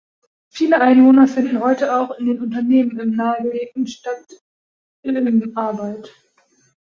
Viele Einwohner finden heute auch in den Unternehmen im nahegelegenen Stadtilm Arbeit.